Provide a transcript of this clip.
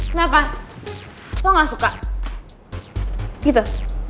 kenapa gue gak suka gitu